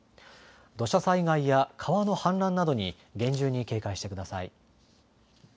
土砂災害や川の氾濫などに厳重に警戒してください。